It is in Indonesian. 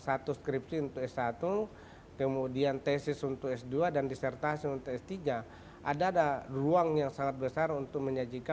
satu skripsi untuk s satu kemudian tesis untuk s dua dan disertasi untuk s tiga ada ada ruang yang sangat besar untuk menyajikan